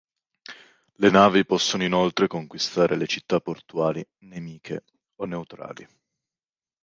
Le navi possono inoltre conquistare le città portuali nemiche o neutrali.